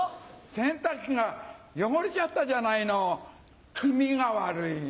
洗濯機が汚れちゃったじゃないのキミが悪い。